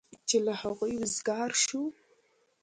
چې له هغوی وزګار شو.